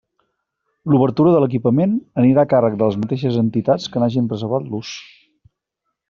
L'obertura de l'equipament anirà a càrrec de les mateixes entitats que n'hagin reservat l'ús.